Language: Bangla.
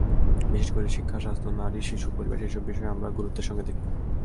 বিশেষ করে শিক্ষা, স্বাস্থ্য, নারী, শিশু, পরিবেশ—এসব বিষয় আমরা গুরুত্বের সঙ্গে দেখি।